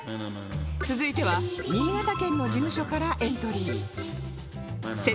続いては新潟県の事務所からエントリー